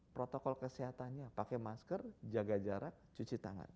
protokol kesehatannya pakai masker jaga jarak cuci tangan